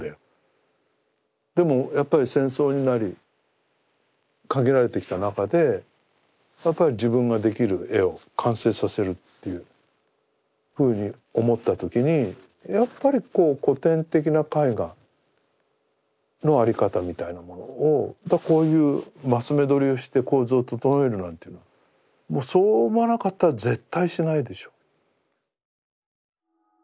でもやっぱり戦争になり限られてきた中でやっぱり自分ができる絵を完成させるというふうに思った時にやっぱりこう古典的な絵画の在り方みたいなものをこういう升目取りをして構図を整えるなんていうのはそう思わなかったら絶対しないでしょう。